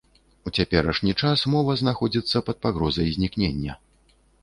У цяперашні час мова знаходзіцца пад пагрозай знікнення.